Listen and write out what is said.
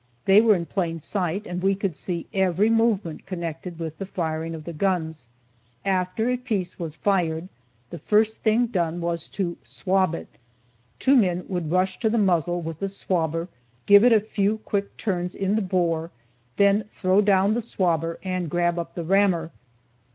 They were in plain sight, and we could see every movement connected with the firing of the guns. After a piece was fired, the first thing done was to "swab" it. Two men would rush to the muzzle with the swabber, give it a few quick turns in the bore, then throw down the swabber and grab up the rammer.